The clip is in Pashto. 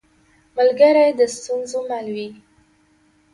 ملګری د ستونزو مل وي